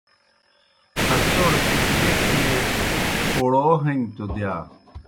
اسْوڑ ایْک لیکھیْ ہے اوْڑوٗ ہنیْ تو دِیا۔